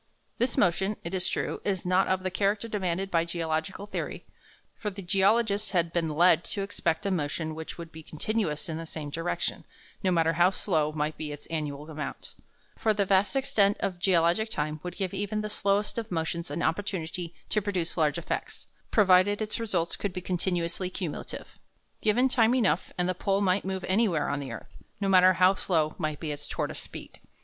This motion, it is true, is not of the character demanded by geological theory, for the geologists had been led to expect a motion which would be continuous in the same direction, no matter how slow might be its annual amount; for the vast extent of geologic time would give even the slowest of motions an opportunity to produce large effects, provided its results could be continuously cumulative. Given time enough, and the pole might move anywhere on the earth, no matter how slow might be its tortoise speed.